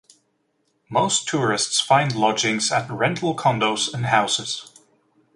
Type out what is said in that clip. Most tourists find lodgings at rental condos and houses.